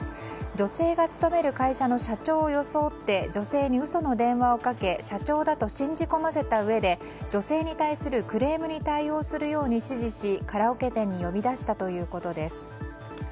女性が勤める会社の社長を装って女性に嘘の電話をかけ社長だと信じ込ませたうえで女性に対するクレームに対応するように指示しカラオケ店に呼び出したということです。